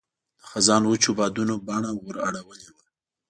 د خزان وچو بادونو بڼه ور اړولې وه.